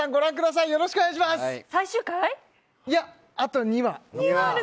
いやあと２話。